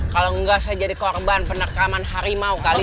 kalau enggak saya jadi korban penerkaman harimau kali